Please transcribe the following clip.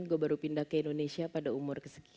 gue baru pindah ke indonesia pada umur kesekian